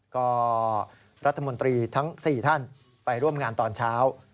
ก็รัฐมนตรีทั้ง๔ท่านไปร่วมงานตอนเช้า